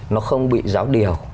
nó không bị giáo điều